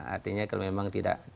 artinya kalau memang tidak